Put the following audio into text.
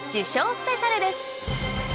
スペシャルです